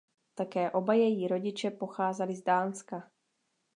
Také oba její rodiče pocházeli z Dánska.